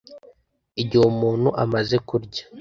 Igihe umuntu amaze kurya